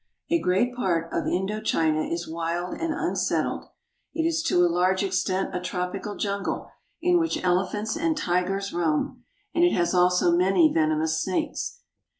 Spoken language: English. A great part of Indo China is wild and unsettled. It is to a large extent a tropical jungle in which elephants and tigers roam, and it has also many venomous snakes.